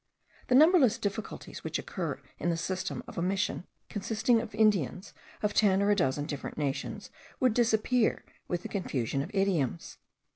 The numberless difficulties which occur in the system of a Mission consisting of Indians of ten or a dozen different nations would disappear with the confusion of idioms.